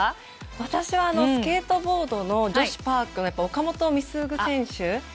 私はスケートボードの女子パークの岡本碧優選手。